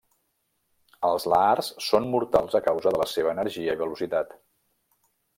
Els lahars són mortals a causa de la seva energia i velocitat.